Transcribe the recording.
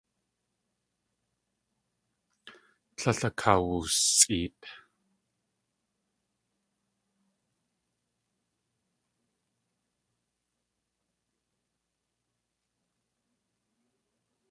Tlél akawusʼeet.